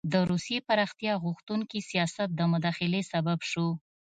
د روسیې پراختیا غوښتونکي سیاست د مداخلې سبب شو.